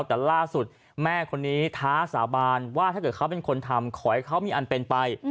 แต่ล่าสุดแม่คนนี้ท้าสาบานว่าถ้าเกิดเขาเป็นคนทำขอให้เขามีอันเป็นไป